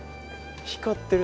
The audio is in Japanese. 光ってるし。